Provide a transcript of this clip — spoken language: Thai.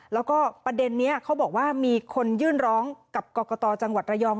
แล้วก็ประเด็นนี้เขาบอกว่ามีคนยื่นร้องกับกรกตจังหวัดระยอง